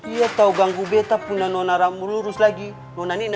iya tau ganggu betah punanonaramururus lagi nonanina